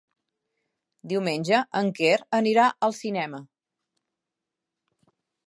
Diumenge en Quer anirà al cinema.